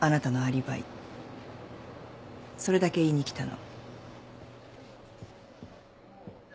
それだけ言いに来たの。